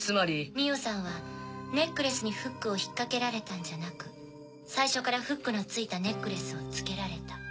美緒さんはネックレスにフックを引っ掛けられたんじゃなく最初からフックの付いたネックレスを着けられた。